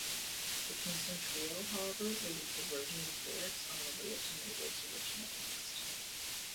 The Kingston Trio, however, released a version with lyrics unrelated to Meidell's original text.